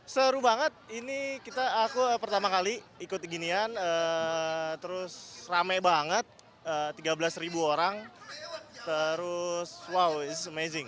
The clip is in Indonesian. seru banget ini aku pertama kali ikut ginian terus rame banget tiga belas orang terus wow is amazing